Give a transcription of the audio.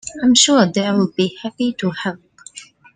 I'm sure they'll be happy to help.